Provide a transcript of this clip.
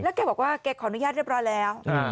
แกบอกว่าแกขออนุญาตเรียบร้อยแล้ว